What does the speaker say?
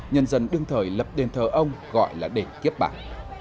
nhân dân đương thời lập đền thờ ông gọi là đền kiếp bạc